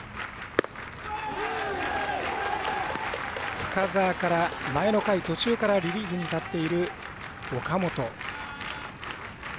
深沢から前の回、途中からリリーフに立っている岡本。